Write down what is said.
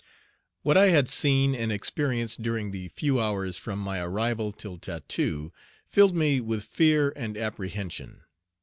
What I had seen and experienced during the few hours from my arrival till tattoo filled me with fear and apprehension.